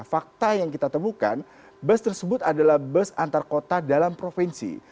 fakta yang kita temukan bus tersebut adalah bus antar kota dalam provinsi